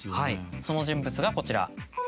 その人物がこちら。